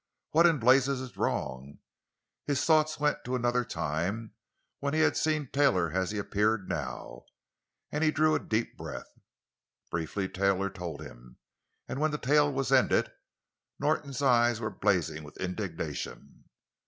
"What in blazes is wrong?" His thoughts went to another time, when he had seen Taylor as he appeared now, and he drew a deep breath. Briefly Taylor told him, and when the tale was ended, Norton's eyes were blazing with indignation.